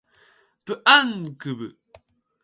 bhghcb